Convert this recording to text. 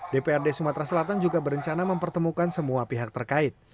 dprd sumatera selatan juga berencana mempertemukan semua pihak terkait